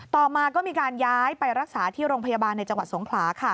ต่อมาก็มีการย้ายไปรักษาที่โรงพยาบาลในจังหวัดสงขลา